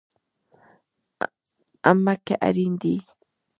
امه که اړين دي